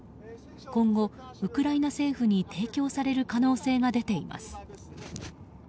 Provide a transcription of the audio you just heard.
今後、ウクライナ政府に提供される可能性が出ています。